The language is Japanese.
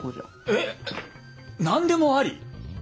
えっ！？何でもあり？